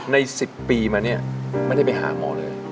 ๑๐ปีมาเนี่ยไม่ได้ไปหาหมอเลย